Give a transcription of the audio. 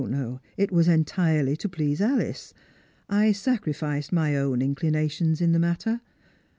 No, it was entirely to please Alice. I sacrificed my own inclinations in the matter.